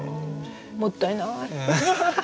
もったいない！